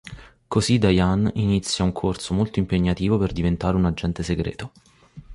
Così Diane inizia un corso molto impegnativo per diventare un agente segreto.